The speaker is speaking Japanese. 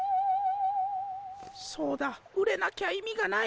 そうだ売れなきゃ意味がない。